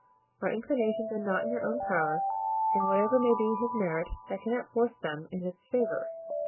Our inclinations are not in our own power; and whatever may be his merit, I cannot force them in his favour."